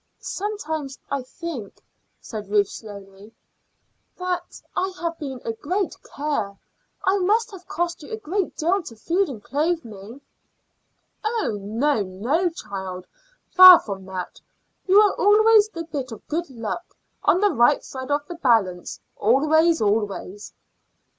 "Sometimes I think," said Ruth slowly, "that I have been a great care. It must have cost you a great deal to feed and clothe me." "No, no, child; far from that. You were always the bit of good luck on the right side of the balance always, always."